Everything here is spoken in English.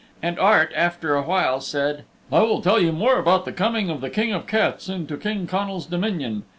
And Art after a while said, "I will tell you more about the coming of the King of the Cats into King Connal's Dominion.